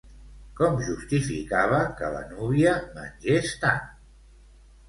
Com justificava que la núvia mengés tant?